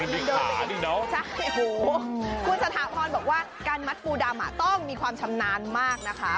มันมีขาดีแล้วใช่คุณสถาพรบอกว่าการมัดปูดำต้องมีความชำนาญมากนะคะ